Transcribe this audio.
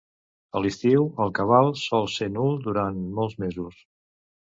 A l'estiu el cabal sol ser nul durant molts mesos.